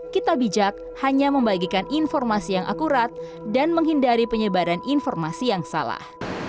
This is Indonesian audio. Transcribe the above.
kita bijak hanya membagikan informasi yang akurat dan menghindari penyebaran informasi yang salah